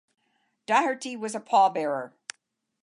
Doherty was a pallbearer.